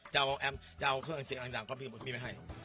จะเอาแอมจะเอาเครื่องเสียงหลังพี่ก็บอกว่าพี่ไม่ให้